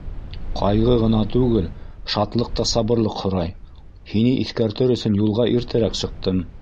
Ҡайғы ғына түгел, шатлыҡ та сабырлыҡ һорай, һине иҫкәртер өсөн юлға иртәрәк сыҡтым.